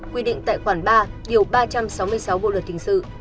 quy định tại khoản ba điều ba trăm sáu mươi sáu bộ luật hình sự